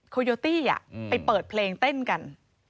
โยตี้ไปเปิดเพลงเต้นกัน